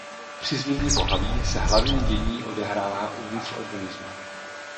Při změně pohlaví se hlavní dění odehrává uvnitř organismu.